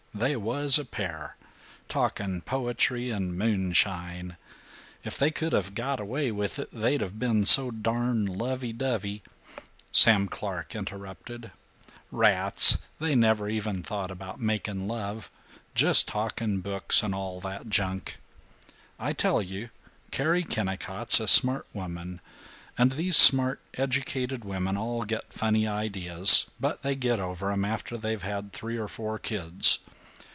They was a pair! Talking poetry and moonshine! If they could of got away with it, they'd of been so darn lovey dovey " Sam Clark interrupted, "Rats, they never even thought about making love, Just talking books and all that junk. I tell you, Carrie Kennicott's a smart woman, and these smart educated women all get funny ideas, but they get over 'em after they've had three or four kids.